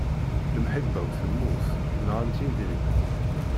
Lemḥibba-w temmut, nɣan-tt yedrimen.